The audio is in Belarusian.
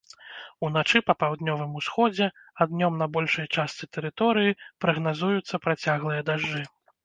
Уначы па паўднёвым усходзе, а днём на большай частцы тэрыторыі прагназуюцца працяглыя дажджы.